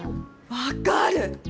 分かる！